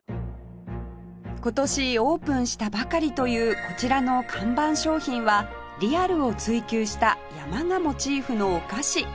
今年オープンしたばかりというこちらの看板商品はリアルを追求した山がモチーフのお菓子